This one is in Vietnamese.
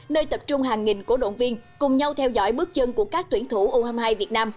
nơi tập trung hàng nghìn cổ động viên cùng nhau theo dõi bước chân của các tuyển thủ u hai mươi hai việt nam